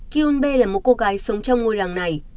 kyun bê là một cô gái sống trong ngôi làng này